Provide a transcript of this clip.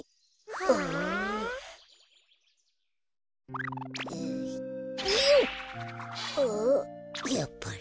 ああやっぱり。